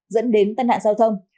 dẫn đến tân hạn giao thông